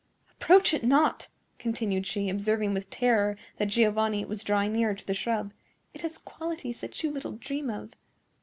Approach it not!" continued she, observing with terror that Giovanni was drawing nearer to the shrub. "It has qualities that you little dream of.